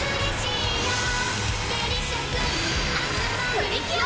プリキュア！